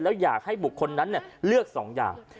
แล้วอยากให้บุคคนนั้นเนี่ยเลือกสองอย่าง